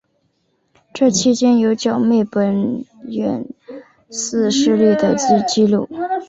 这期间有剿灭本愿寺势力的纪录。